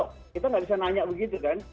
kita nggak bisa nanya begitu kan